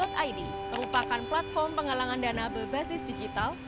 berbuatbaik id merupakan platform pengelangan dana berbasis digital